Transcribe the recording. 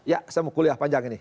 ya saya mau kuliah panjang ini